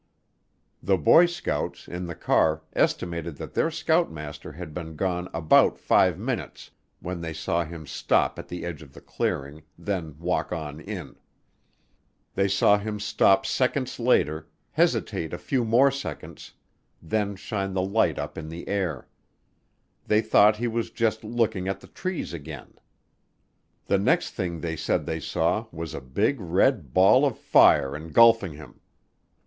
The boy scouts, in the car, estimated that their scoutmaster had been gone about five minutes when they saw him stop at the edge of the clearing, then walk on in. They saw him stop seconds later, hesitate a few more seconds, then shine the light up in the air. They thought he was just looking at the trees again. The next thing they said they saw was a big red ball of fire engulfing him.